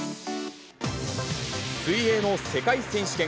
水泳の世界選手権。